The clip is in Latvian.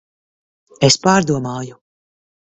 Es pārdomāju.